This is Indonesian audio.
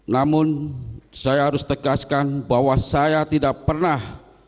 namun saya harus tegaskan bahwa saya tidak pernah